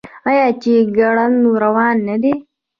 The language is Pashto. آیا چې ګړندی روان نه دی؟